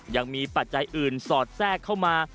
ปัจจัยอื่นสอดแทรกเข้ามา